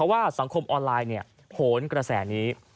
ว่าสังคมออนไลน์เนี่ยโผล่กระแสนี้